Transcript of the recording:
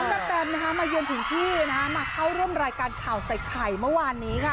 เต็มนะคะมาเยือนถึงที่นะฮะมาเข้าร่วมรายการข่าวใส่ไข่เมื่อวานนี้ค่ะ